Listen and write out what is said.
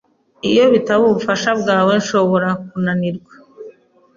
Iyo bitaba ubufasha bwawe, nshobora kunanirwa.